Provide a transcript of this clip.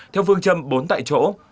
theo phương châm bốn tại chỗ